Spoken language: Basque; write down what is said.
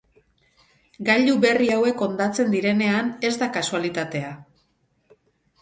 Gailu berri hauek hondatzen direnean, ez da kasualitatea.